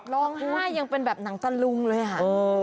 ร้องไห้ยังเป็นแบบหนังตะลุงเลยค่ะ